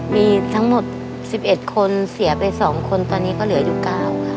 มีทั้งหมด๑๑คนเสียไป๒คนตอนนี้ก็เหลืออยู่๙ค่ะ